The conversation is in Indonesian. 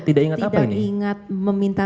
tidak ingat apa ini tidak ingat meminta